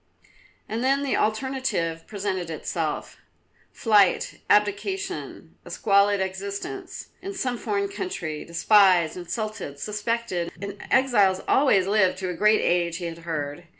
And then the alternative presented itself; flight, abdication, a squalid existence in some foreign country, despised, insulted, suspected; and exiles always lived to a great age he had heard.